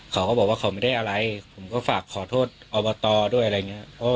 เขาก็บอกว่าเขาไม่ได้อะไรผมก็ฝากขอโทษอบตด้วยอะไรอย่างนี้